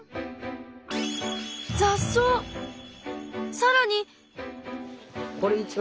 さらに。